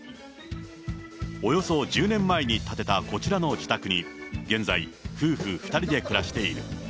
およそ１０年前に建てたこちらの自宅に、現在、夫婦２人で暮らしている。